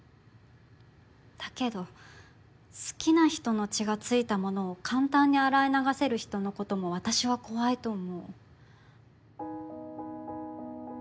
だけど好きな人の血が付いたものを簡単に洗い流せる人のことも私は怖いと思う。